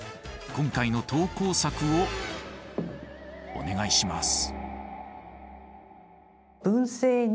今回の投稿作をお願いします。